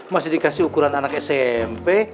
masih dikasih ukuran anak smp